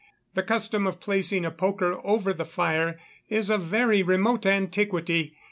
The custom of placing a poker over the fire is of very remote antiquity.